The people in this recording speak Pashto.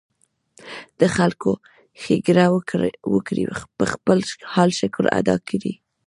د خلکو ښېګړه وکړي ، پۀ خپل حال شکر ادا کړي